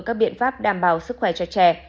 các biện pháp đảm bảo sức khỏe cho trẻ